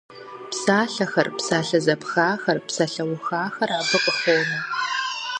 Псалъэхэр, псалъэ зэпхахэр, псалъэухахэр абы къыхонэ.